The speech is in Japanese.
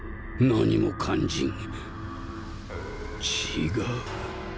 何も感じん。